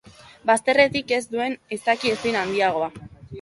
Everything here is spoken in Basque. Bazterrik ez duen izaki ezin handiagoa.